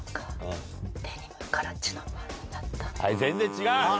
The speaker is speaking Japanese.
はい全然違う。